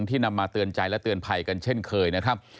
นำมาเตือนใจและเตือนภัยกันเช่นเคยนะครับ